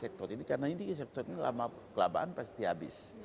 karena ini sektornya kelamaan pasti habis